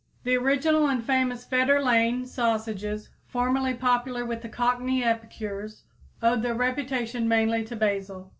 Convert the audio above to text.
The original and famous Fetter Lane sausages, formerly popular with Cockney epicures, owed their reputation mainly to basil.